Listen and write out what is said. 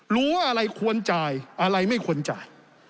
รู้ว่าอะไรควรจ่ายอะไรไม่ควรจ่าย